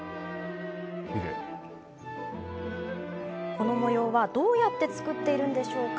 この模様、どうやって作っているのでしょうか？